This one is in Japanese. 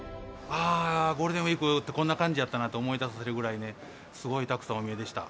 ゴールデンウィークってこんな感じやったなと思い出させるぐらいね、すごいたくさんお見えでした。